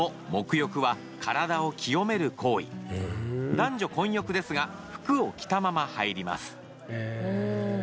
男女混浴ですが服を着たまま入ります。